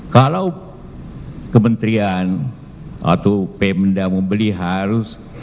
kalau kementerian atau pemda membeli harus